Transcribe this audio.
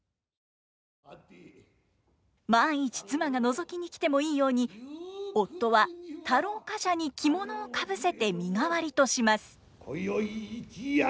万一妻がのぞきに来てもいいように夫は太郎冠者に着物をかぶせて身代わりとします。